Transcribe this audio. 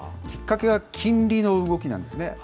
きっかけは、金利の動きなんですね。